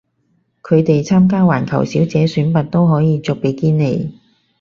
佢哋參加環球小姐選拔都可以着比基尼